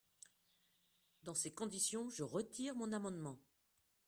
Dans ces conditions, je retire mon amendement.